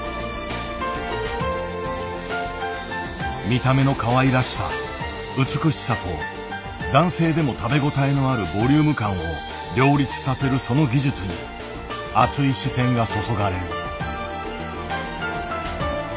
見た目のかわいらしさ美しさと男性でも食べ応えのあるボリューム感を両立させるその技術に熱い視線が注がれる。